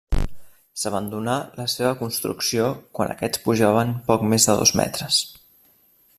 S'abandonà la seva construcció quan aquests pujaven poc més de dos metres.